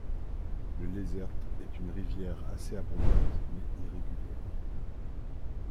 Le Lézert est une rivière assez abondante, mais irrégulière.